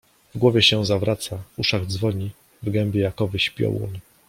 W głowie się zawraca, w uszach dzwoni, w gębie jakowyś piołun.